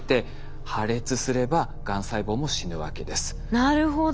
なるほど。